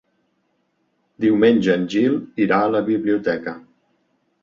Diumenge en Gil irà a la biblioteca.